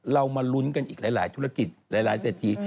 เรามาลุ้นกันอีกหลายธุรกิจหลายเศรษฐี